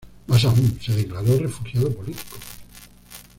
Más aún se declaró refugiado político.